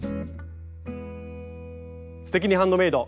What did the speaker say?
「すてきにハンドメイド」。